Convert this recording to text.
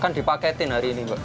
kan dipaketin hari ini